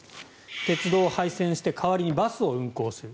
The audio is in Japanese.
鉄道を廃線して代わりにバスを運行する。